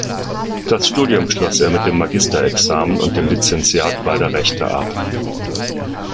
Das Studium schloss er mit dem Magisterexamen und dem Lizentiat beider Rechte ab.